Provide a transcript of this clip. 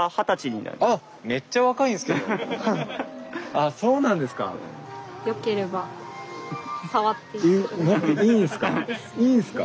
あそうなんですか。